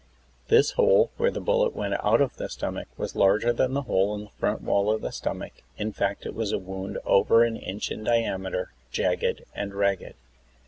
This hole, where the bullet went out of the stomach, was larger than the hole in the front wall of the stomach ; in fact, it was a wound over an inch in diameter, jagged and ragged.